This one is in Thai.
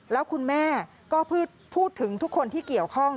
แล้วคุณแม่ก็พูดถึงทุกคนที่เกี่ยวข้อง